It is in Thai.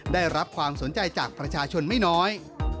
ได้รับความสนใจจากประชาชนไม่น้อย